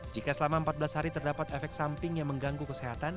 jika selama empat belas hari terdapat efek samping yang mengganggu kesehatan